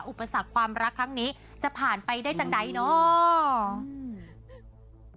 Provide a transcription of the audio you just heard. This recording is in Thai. อุปสรรคความรักครั้งนี้จะผ่านไปได้จังใดเนาะ